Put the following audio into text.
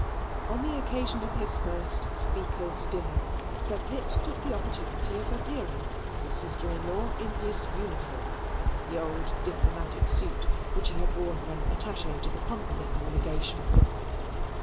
On the occasion of his first Speaker's dinner, Sir Pitt took the opportunity of appearing before his sister in law in his uniform that old diplomatic suit which he had worn when attache to the Pumpernickel legation.